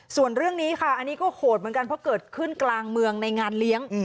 ส่วนเรื่องนี้ค่ะอันนี้ก็โหดเหมือนกันเพราะเกิดขึ้นกลางเมืองในงานเลี้ยง